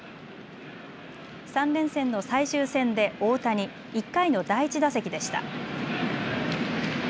３連戦の最終戦で大谷、１回の第１打席でした。